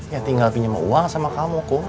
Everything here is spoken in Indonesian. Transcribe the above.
ya tinggal pinjam uang sama kamu kok